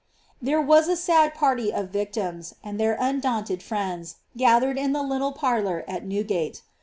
'' There was a sad party of victims, and their undaunted friends, lathered in the little parlour by Newgate.